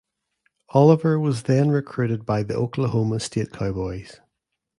Oliver was then recruited by the Oklahoma State Cowboys.